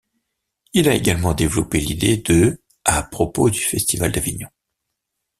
Il a également développé l'idée de à propos du Festival d'Avignon.